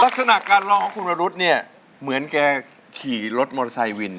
ลักษณะการร้องของคุณวรุษเนี่ยเหมือนแกขี่รถมอเตอร์ไซค์วิน